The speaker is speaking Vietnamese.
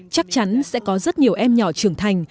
chắc chắn sẽ có rất nhiều em nhỏ trưởng thành